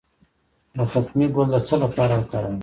د ختمي ګل د څه لپاره وکاروم؟